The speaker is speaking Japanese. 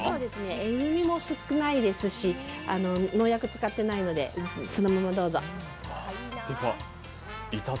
えぐみも少ないですし農薬使ってないのでそのままどうぞ。